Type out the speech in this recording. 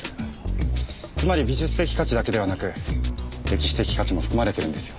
つまり美術的価値だけではなく歴史的価値も含まれてるんですよ。